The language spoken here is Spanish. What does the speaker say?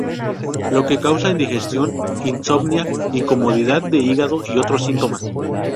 Lo que causa indigestión, insomnia, incomodidad de hígado y otros síntomas".